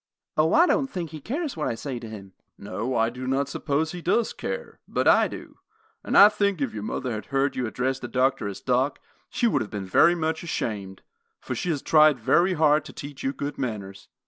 "O, I don't think he cares what I say to him!" "No, I do not suppose he does care; but I do, and I think if your mother had heard you address the doctor as Doc, she would have been very much ashamed; for she has tried very hard to teach you good manners."